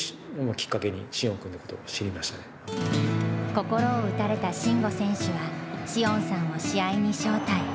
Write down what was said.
心を打たれた慎吾選手は詩音さんを試合に招待。